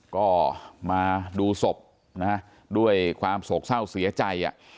ก็มาดูศพนะด้วยความโศกเศร้าเสียใจ